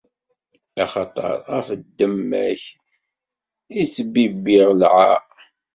Axaṭer, ɣef ddemma-k i ttbibbiɣ lɛaṛ.